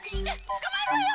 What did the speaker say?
つかまえるわよ！